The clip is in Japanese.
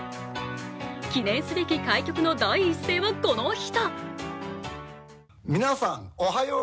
記念すべき開局の第一声は、この人。